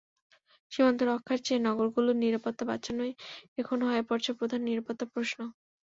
সীমান্ত রক্ষার চেয়ে নগরগুলোর নিরাপত্তা বাঁচানোই এখন হয়ে পড়েছে প্রধান নিরাপত্তা প্রশ্ন।